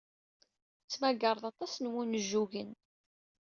Tettmagar-d aṭas n wunjugen.